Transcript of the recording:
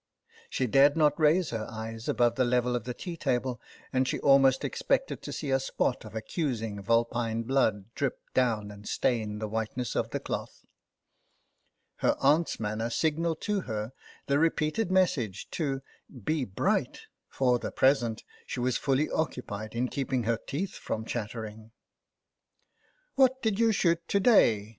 She dared not raise her eyes above the level of the tea table, and she almost expected to see a spot of accusing vulpine blood drip down and stain the whiteness of the cloth. Her aunt's manner signalled to her the re peated message to "be bright"; for the present she was fully occupied in keeping her teeth from chattering. " What did you shoot to day